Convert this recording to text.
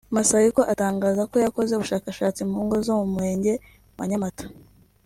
Masahiko atangaza ko yakoze ubushakashatsi mu ngo zo mu murenge wa Nyamata